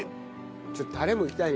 ちょっとタレもいきたいね。